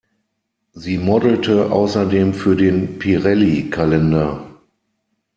Sie modelte außerdem für den Pirelli-Kalender.